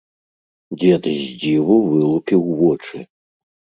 Дзед з дзіву вылупіў вочы.